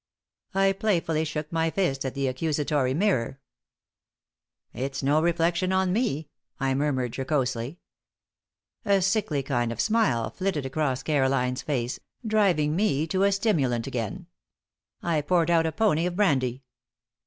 I playfully shook my fist at the accusatory mirror. "It's no reflection on me," I murmured, jocosely. A sickly kind of smile flitted across Caroline's face, driving me to a stimulant again. I poured out a pony of brandy.